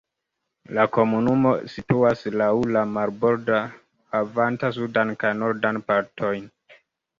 La komunumo situas laŭ la marbordo havanta sudan kaj nordan partojn.